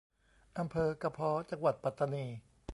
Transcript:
อำเภอกะพ้อ จังหวัดปัตตานี